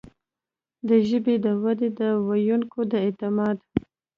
د ژبې د ودې، د ویونکو د اعتماد